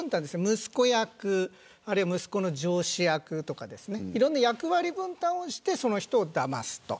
息子役、あるいは息子の上司役といろんな役割分担をしてその人をだますと。